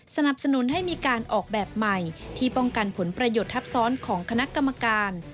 สนับสนุนให้มีการออกแบบใหม่ที่ป้องกันผลประโยชน์ทับซ้อนของคณะกรรมการ